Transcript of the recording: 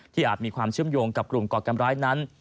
อาจมีความเชื่อมโยงกับกลุ่มก่อการร้ายนั้น